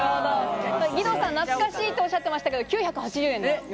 義堂さん、懐かしいとおっしゃってましたが、９８０円。